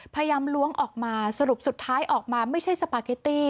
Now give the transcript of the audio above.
ล้วงออกมาสรุปสุดท้ายออกมาไม่ใช่สปาเกตตี้